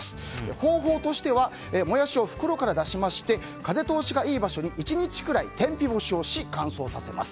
方法としてはモヤシを袋から出しまして風通しがいい場所に１日くらい天日干しをし乾燥させます。